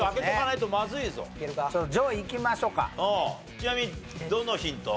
ちなみにどのヒント？